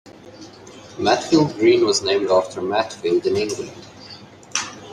Matfield Green was named after Matfield, in England.